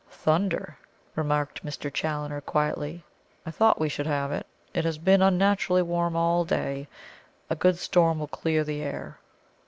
"Thunder," remarked Mr. Challoner quietly. "I thought we should have it. It has been unnaturally warm all day. A good storm will clear the air."